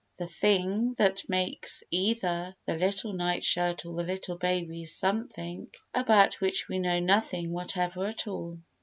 The thing that makes either the little night shirt or the little baby is something about which we know nothing whatever at all.